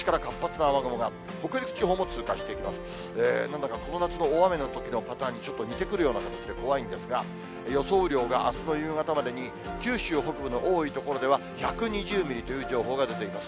なんだかこの夏の大雨のときのパターンにちょっと似てくるような形で怖いんですが、予想雨量があすの夕方までに九州北部の多い所では、１２０ミリという情報が出ています。